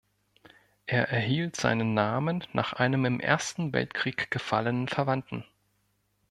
Er erhielt seinen Namen nach einem im Ersten Weltkrieg gefallenen Verwandten.